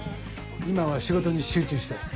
今は仕事に集中したい。